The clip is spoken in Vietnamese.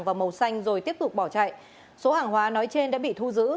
và màu xanh rồi tiếp tục bỏ chạy số hàng hóa nói trên đã bị thu giữ